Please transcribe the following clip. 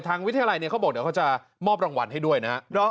วิทยาลัยเนี่ยเขาบอกเดี๋ยวเขาจะมอบรางวัลให้ด้วยนะครับ